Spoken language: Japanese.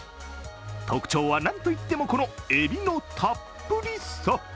特徴はなんといっても、このエビのたっぷりさ。